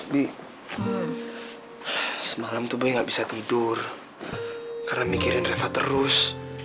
bi semalam tuh bu ibu nggak bisa tidur karena mikirin reva terus